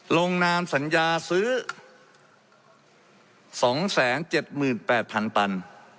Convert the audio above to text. ลงน้ำสัญญาซื้อสองแสนเจ็ดหมื่นแปดพันตัน